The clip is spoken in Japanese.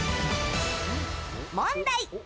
問題。